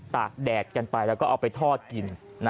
กแดดกันไปแล้วก็เอาไปทอดกิน